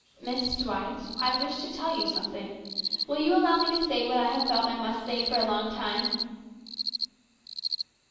" Miss Dwight, I wish to tell you something. Will you allow me to say what I have felt I must say for a long time